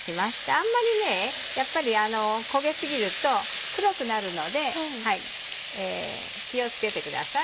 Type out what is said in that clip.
あんまりねやっぱり焦げ過ぎると黒くなるので気を付けてください。